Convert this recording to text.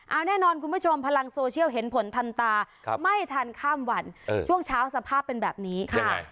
เอาแน่นอนคุณผู้ชมพลังโซเชียลเห็นผลทันตาไม่ทันข้ามวันช่วงเช้าสภาพเป็นแบบนี้ค่ะ